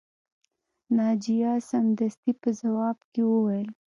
ناجیه سمدستي په ځواب کې وویل